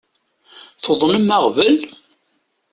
Tuḍnem aɣbel?